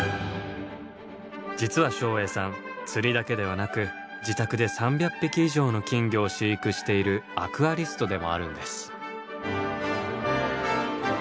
実は照英さん釣りだけではなく自宅で３００匹以上の金魚を飼育しているアクアリストでもあるんです。